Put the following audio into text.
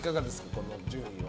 この順位は。